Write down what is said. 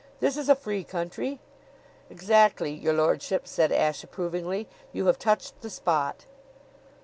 This is a free country." "Exactly, your lordship," said Ashe approvingly. "You have touched the spot."